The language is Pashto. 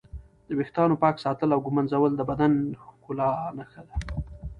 د ویښتانو پاک ساتل او ږمنځول د بدن د ښکلا نښه ده.